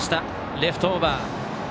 レフトオーバー。